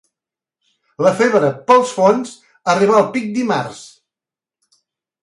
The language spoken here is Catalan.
La febre pels fons arribar al pic dimarts.